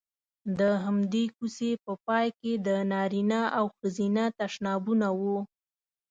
د همدې کوڅې په پای کې د نارینه او ښځینه تشنابونه وو.